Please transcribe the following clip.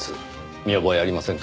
見覚えありませんか？